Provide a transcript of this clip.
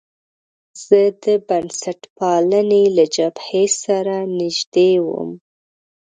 زه د بنسټپالنې له جبهې سره نژدې وم.